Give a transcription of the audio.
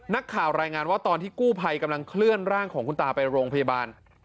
รายงานว่าตอนที่กู้ภัยกำลังเคลื่อนร่างของคุณตาไปโรงพยาบาล